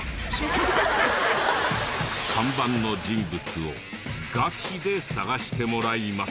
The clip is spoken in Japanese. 看板の人物をガチで探してもらいます。